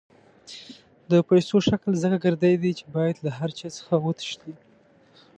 د پیسو شکل ځکه ګردی دی چې باید له هر چا څخه وتښتي.